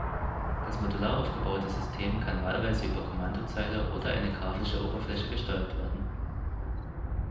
Das modular aufgebaute System kann wahlweise über Kommandozeile oder eine grafische Oberfläche gesteuert werden.